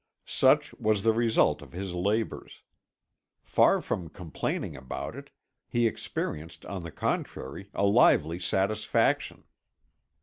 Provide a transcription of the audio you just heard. Such was the result of his labours. Far from complaining about it, he experienced on the contrary a lively satisfaction.